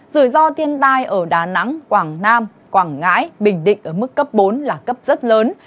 rủi ro thiên tai ở đà nẵng quảng nam quảng ngãi bình định ở mức cấp bốn là cấp rất lớn